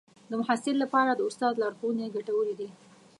د محصل لپاره د استاد لارښوونې ګټورې دي.